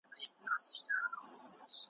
څوک چي ستوان خوري شپېلۍ نه وهي `